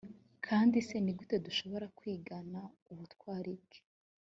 kandi se ni gute dushobora kwigana ubutwari bwe